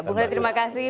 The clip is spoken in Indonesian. bung rey terima kasih